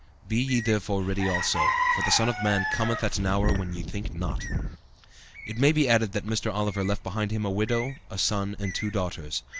Be ye therefore ready also, for the Son of man cometh at an hour when ye think not." It may be added that Mr. Oliver left behind him a widow, a son and two daughters.